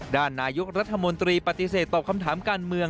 ด้านนายกรัฐมนตรีปฏิเสธตอบคำถามการเมือง